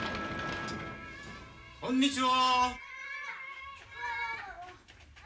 ・こんにちは！